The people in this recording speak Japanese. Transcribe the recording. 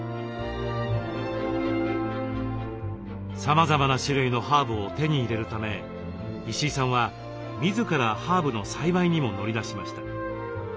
さまざまな種類のハーブを手に入れるため石井さんは自らハーブの栽培にも乗り出しました。